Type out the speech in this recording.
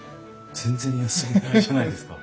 全然休みがないじゃないですか。